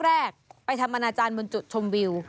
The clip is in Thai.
แรกไปทำอนาจารย์บนจุดชมวิว